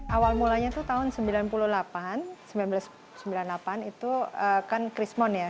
awal mulanya itu tahun seribu sembilan ratus sembilan puluh delapan itu kan krismon ya